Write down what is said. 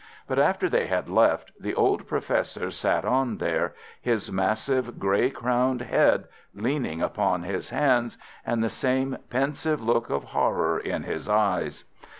But after they had left, the old Professor sat on there, his massive, grey crowned head leaning upon his hands and the same pensive look of horror in his eyes.